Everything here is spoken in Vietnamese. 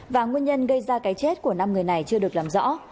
và nguyên nhân gây ra cái chết của năm người này chưa được làm rõ